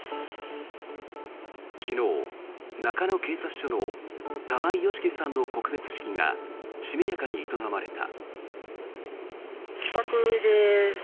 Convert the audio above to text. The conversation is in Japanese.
昨日、中野警察署の玉井良樹さんの告別式がしめやかに営まれた。